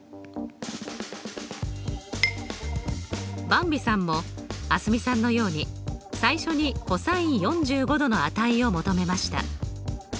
ばんびさんも蒼澄さんのように最初にｃｏｓ４５°の値を求めました。